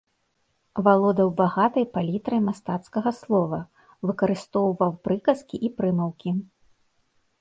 Валодаў багатай палітрай мастацкага слова, выкарыстоўваў прыказкі і прымаўкі.